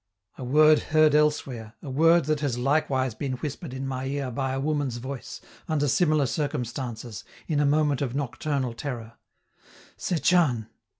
a word heard elsewhere, a word that has likewise been whispered in my ear by a woman's voice, under similar circumstances, in a moment of nocturnal terror "Setchan!"